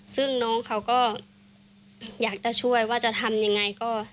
ซึ่งน้องเขาก็อยากจะช่วยว่าจะทำยังไงก็